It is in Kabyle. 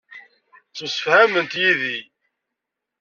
Ttemsefhament yid-i.